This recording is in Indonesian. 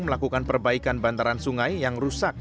melakukan perbaikan bantaran sungai yang rusak